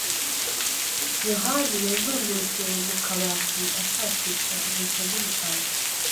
yohani yazungurutse mu kabati ashakisha inkweto z'umukara.